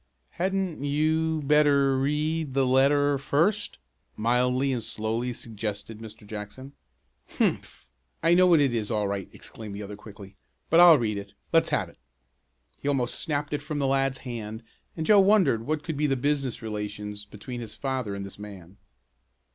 "Hadn't you better read the letter first," mildly and slowly suggested Mr. Jackson. "Humph! I know what it is all right!" exclaimed the other quickly. "But I'll read it. Let's have it!" He almost snapped it from the lad's hand and Joe wondered what could be the business relations between his father and this man.